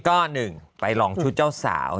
ก็หนึ่งไปลองชุดเจ้าสาว